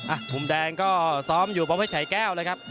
อ่ะบุมแดงก็สอบอยู่ปอเพิ่งไข่แก้วเลยครับ